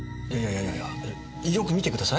いやいやよく見てください。